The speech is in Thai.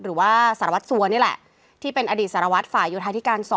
หรือว่าสารวัตรสัวนี่แหละที่เป็นอดีตสารวัตรฝ่ายโยธาธิการ๒